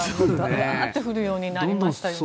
ワーッと降るようになりましたよね。